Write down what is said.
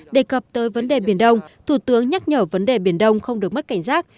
đề cập tới vấn đề biển đông thủ tướng nhắc nhở vấn đề biển đông không được mất cảnh giác